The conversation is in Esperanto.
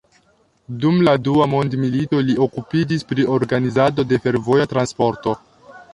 Dum la Dua mondmilito li okupiĝis pri organizado de fervoja transporto.